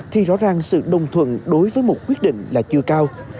thì rõ ràng sự đồng thuận đối với một quyết định là chưa cao